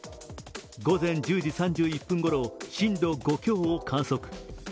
午前１０時３１分頃、震度５強を観測。